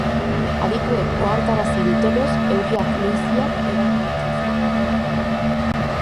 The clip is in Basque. Adituek ohartarazi dutenez, euriak luiziak eragin ditzake.